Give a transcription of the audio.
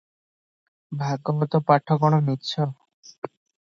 ଭାଗବତ ପାଠ କଣ ମିଛ?